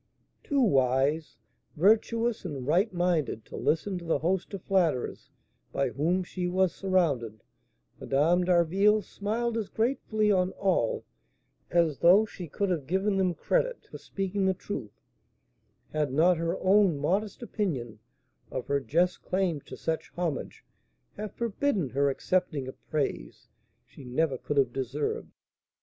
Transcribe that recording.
Too wise, virtuous, and right minded to listen to the host of flatterers by whom she was surrounded, Madame d'Harville smiled as gratefully on all as though she could have given them credit for speaking the truth, had not her own modest opinion of her just claims to such homage have forbidden her accepting of praise she never could have deserved.